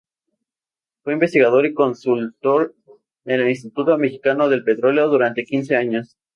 Fue investigador y consultor en el Instituto Mexicano del Petróleo durante quince años.